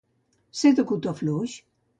Ser de cotó fluix.